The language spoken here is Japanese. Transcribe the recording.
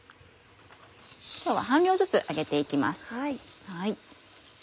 今日は半量ずつ揚げて行きます。